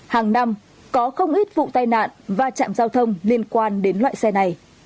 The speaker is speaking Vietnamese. hàng năm có không ít vụ tai nạn và chạm giao thông liên quan đến loại xe này